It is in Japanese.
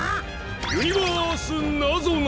ユニバースなぞなぞ！